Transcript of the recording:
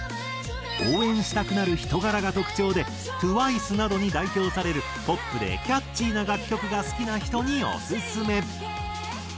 応援したくなる人柄が特徴でＴＷＩＣＥなどに代表されるポップでキャッチーな楽曲が好きな人にオススメ。